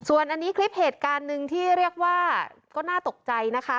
ส่วนอันนี้คลิปเหตุการณ์หนึ่งที่เรียกว่าก็น่าตกใจนะคะ